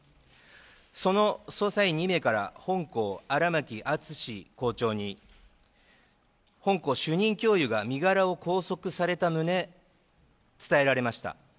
その捜査員２名から本校、荒巻淳校長に本校主任教諭が身柄を拘束された旨が伝えられました。